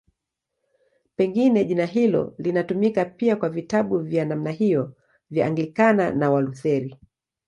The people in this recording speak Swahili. Pengine jina hilo linatumika pia kwa vitabu vya namna hiyo vya Anglikana na Walutheri.